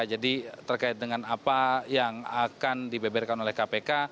terkait dengan apa yang akan dibeberkan oleh kpk